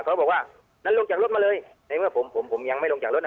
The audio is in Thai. เขาบอกว่างั้นลงจากรถมาเลยในเมื่อผมผมยังไม่ลงจากรถ